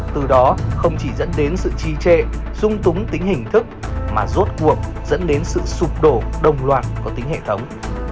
từ đó không chỉ dẫn đến sự chi trệ sung túng tính hình thức mà rốt cuộc dẫn đến sự sụp đổ đồng loạn của tính hệ thống